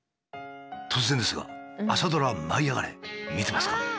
突然ですが朝ドラ「舞いあがれ！」見てますか？